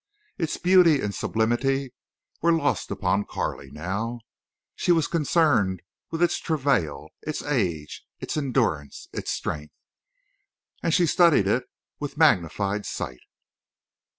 Its beauty and sublimity were lost upon Carley now; she was concerned with its travail, its age, its endurance, its strength. And she studied it with magnified sight.